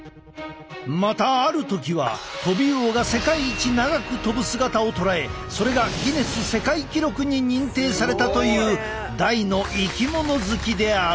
またある時はトビウオが世界一長く飛ぶ姿を捉えそれがギネス世界記録に認定されたという大の生き物好きである。